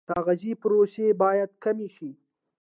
کاغذي پروسې باید کمې شي